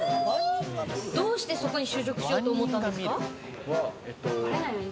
どうしてそこに就職しようと思ったんですか？